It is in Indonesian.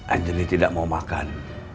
anjli tidak mau makan